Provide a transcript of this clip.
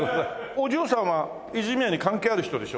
お嬢さんは泉屋に関係ある人でしょ？